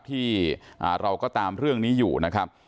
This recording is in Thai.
ที่เราก็ตามเรื่องนี้อยู่นะครับ